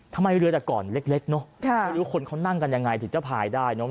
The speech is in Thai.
ทำไมเรือแต่ก่อนเล็กเนอะไม่รู้คนเขานั่งกันยังไงถึงจะพายได้เนอะ